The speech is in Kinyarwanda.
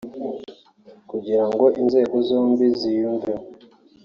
kugira ngo inzego zombi ziyiyumvemo